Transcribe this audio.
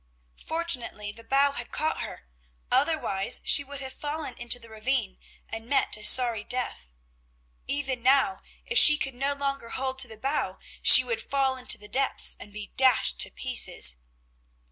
Fortunately the bough had caught her, otherwise she would have fallen into the ravine and met a sorry death. Even now if she could no longer hold to the bough, she would fall into the depths and be dashed to pieces.